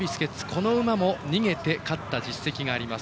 この馬も逃げて勝った実績があります。